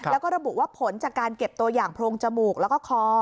แล้วก็ระบุว่าผลจากการเก็บตัวอย่างโพรงจมูกแล้วก็คอ